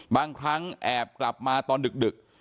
บางครั้งแอบกลับมาตอนดึก